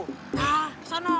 hah kesana lurus